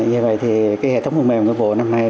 như vậy thì cái hệ thống phần mềm của bộ năm nay